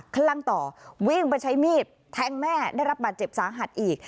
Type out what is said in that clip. คลั่งต่อวิ่งไปใช้มีดแทงแม่ได้รับบาดเจ็บสาหัสอีก